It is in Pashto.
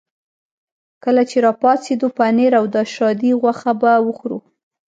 کله چې را پاڅېدو پنیر او د شادي غوښه به وخورو.